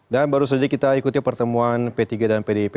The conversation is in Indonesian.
dan baru saja kita ikuti pertemuan p tiga dan pdip